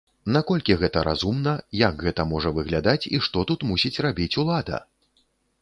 Наколькі гэта разумна, як гэта можа выглядаць і што тут мусіць рабіць улада?